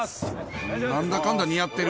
なんだかんだ似合ってる。